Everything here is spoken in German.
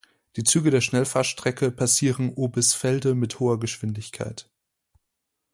Die Züge der Schnellfahrstrecke passieren Oebisfelde mit hoher Geschwindigkeit.